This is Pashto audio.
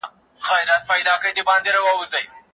د ټولنپوهانو د ارزونو پربنسټ، ګټوري لاري پیدا کولای سي.